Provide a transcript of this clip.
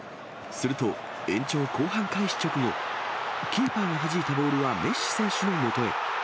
すると、延長後半開始直後、キーパーがはじいたボールはメッシ選手のもとへ。